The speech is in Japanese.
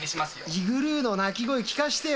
イグルーの鳴き声聞かせてよ。